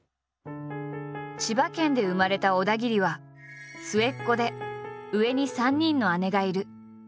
千葉県で生まれた小田切は末っ子で上に３人の姉がいる。